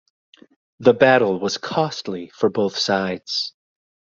The battle was costly for both sides.